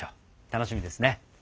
楽しみですね。